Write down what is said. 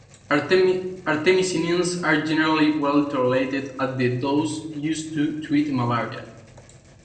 Artemisinins are generally well tolerated at the doses used to treat malaria.